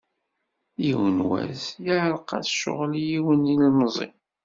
Yiwen wass, yeεreq-as ccɣel i yiwen yilemẓi.